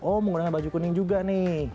oh menggunakan baju kuning juga nih